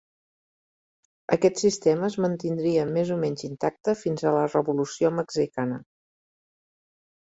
Aquest sistema es mantindria més o menys intacte fins a la Revolució Mexicana.